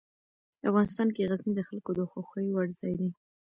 افغانستان کې غزني د خلکو د خوښې وړ ځای دی.